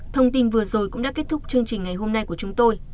thông tin vừa rồi cũng đã kết thúc chương trình ngày hôm nay của chúng tôi